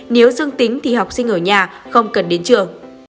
nếu dương tính thì học sinh ở nhà không cần đến trường